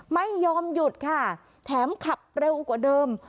ไม่ยอมหยุดค่ะแถมขับเร็วกว่าเดิม